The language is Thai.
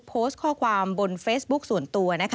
โพสต์ข้อความบนเฟซบุ๊คส่วนตัว